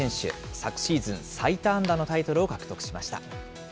昨シーズン、最多安打のタイトルを獲得しました。